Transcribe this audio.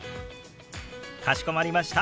かしこまりました。